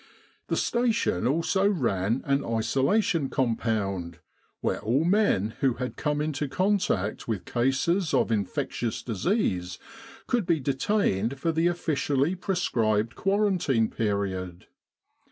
The Station also ran an Isolation Compound, where all men who had come into contact with cases of infectious disease could be detained for the officially prescribed quarantine period.